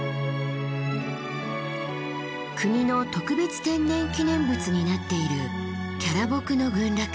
国の特別天然記念物になっているキャラボクの群落。